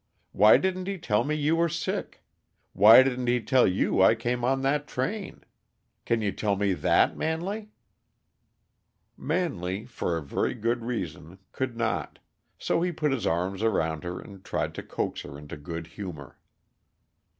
Why didn't he tell me you were sick? Why didn't he tell you I came on that train? Can you tell me that, Manley?" Manley, for a very good reason, could not; so he put his arms around her and tried to coax her into good humor.